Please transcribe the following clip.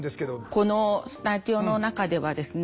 このスタジオの中ではですね